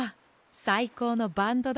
さいこうのバンドだ。